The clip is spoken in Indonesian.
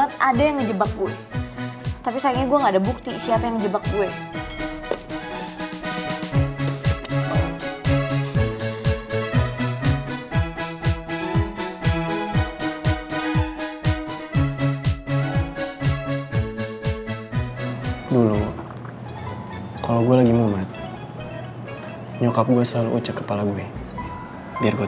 nilai bahasa indonesia yang one kan jelek banget